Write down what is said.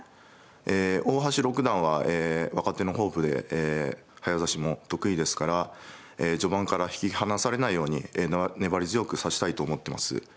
え大橋六段は若手のホープで早指しも得意ですから序盤から引き離されないように粘り強く指したいと思ってます。